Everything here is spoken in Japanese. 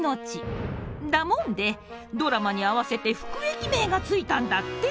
だもんでドラマに合わせて副駅名が付いたんだって。